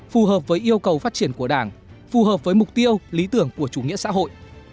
phù hợp với yêu cầu phát triển của đảng phù hợp với mục tiêu lý tưởng của chủ nghĩa xã hội